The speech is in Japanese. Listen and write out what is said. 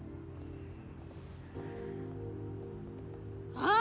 あっ！